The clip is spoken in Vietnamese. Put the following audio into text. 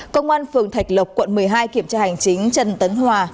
công an phường thạch lộc quận một mươi hai kiểm tra hành chính trần tấn hòa